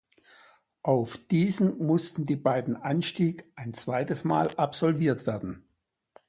Auf diesen mussten die beiden Anstieg ein zweites Mal absolviert werden.